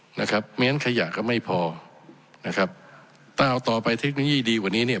เพราะฉะนั้นขยาไม่พอแต่เอาต่อไปเทคโนโลยีดีกว่านี้